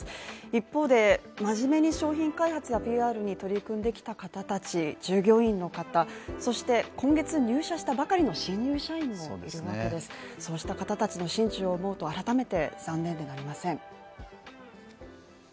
一方で、真面目に商品開発やＰＲに取り組んできた方たち、従業員の方、そして今月入社したばかりの新入社員そうした方たちの心中を思うと改めて残念でなりません。